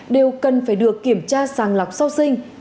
đều cần phải được kiểm tra sàng lọc sau sinh